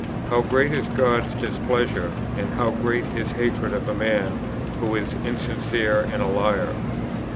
How great is God's displeasure and how great His hatred of a man who is insincere and a liar.